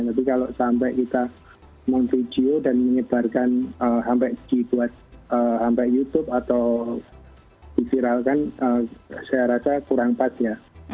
tapi kalau sampai kita memvideo dan menyebarkan sampai di buat sampai youtube atau difiralkan saya rasa kurang pas ya